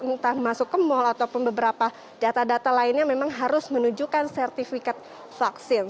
entah masuk ke mal ataupun beberapa data data lainnya memang harus menunjukkan sertifikat vaksin